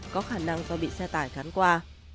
có khả năng do bị xe tải gắn qua